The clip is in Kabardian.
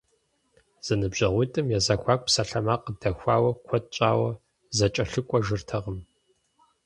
Зэныбжьэгъуитӏым я зэхуаку псалъэмакъ къыдэхуауэ, куэд щӏауэ зэкӏэлъыкӏуэжыртэкъым.